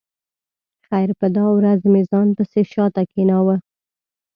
خیر په دا ورځ مې ځان پسې شا ته کېناوه.